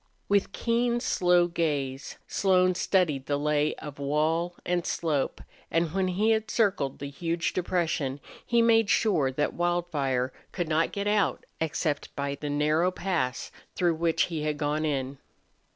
With keen, slow gaze Slone studied the lay of wall and slope, and when he had circled the huge depression he made sure that Wildfire could not get out except by the narrow pass through which he had gone in.